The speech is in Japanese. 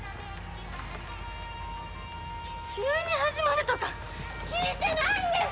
急に始まるとか聞いてないんですけど！